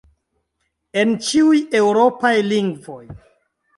En ĉiuj eŭropaj lingvoj.